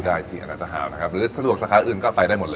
ได้ที่อันตราฮาลนะครับหรือถ้าลวกสาขาอื่นก็ไปได้หมดเลย